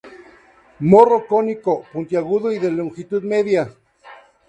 Morro cónico, puntiagudo y de longitud media.